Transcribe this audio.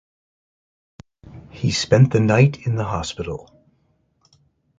He spent the night in the hospital.